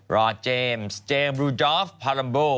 รอดเจมส์เจมส์รูดอฟพารัมบูล